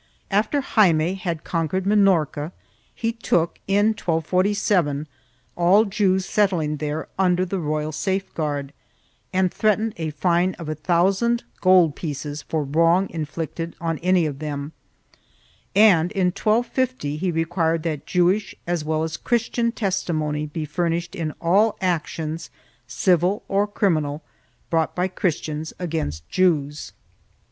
After Jaime had conquered Minorca he took, in 1247, all Jews settling there under the royal safe guard and threatened a fine of a thousand gold pieces for wrong inflicted on any of them and, in 1250, he required that Jewish as well as Christian testimony must be furnished in all actions, civil or criminal, brought by Christians against Jews.